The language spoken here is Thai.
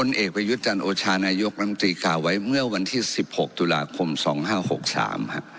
พลเอกไปยุชจันโอชานายกนังตรีก่าไว้เมื่อวันที่๑๖ตุลาคม๒๕๖๓ค่ะ